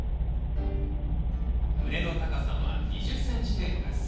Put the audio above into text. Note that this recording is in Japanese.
畝の高さは２０ｃｍ程度です。